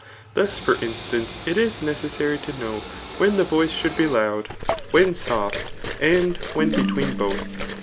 Thus for instance, [it is necessary to know] when the voice should be loud, when soft, and when be ^ tween both.